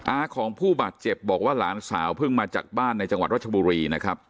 อาของผู้บาดเจ็บบอกว่าหลานสาวเพิ่งมาจากบ้านในจังหวัดรัชบุรีนะครับ